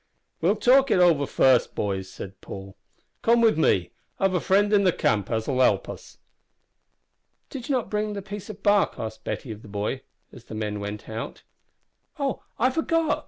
"We'll talk it over first, boys," said Paul. "Come with me. I've a friend in the camp as'll help us." "Did you not bring the piece of bark?" asked Betty of the boy, as the men went out. "Oh! I forgot.